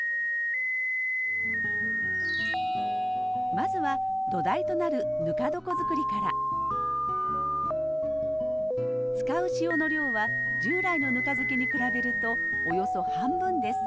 まずは土台となるぬか床づくりから使う塩の量は従来のぬか漬けに比べるとおよそ半分です。